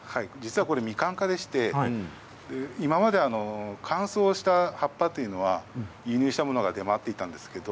ミカン科でして今までは乾燥した葉っぱというのは輸入したものが出回っていたんですけれど